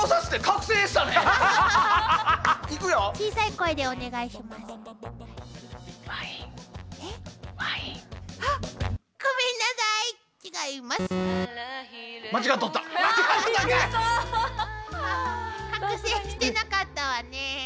覚醒してなかったわね。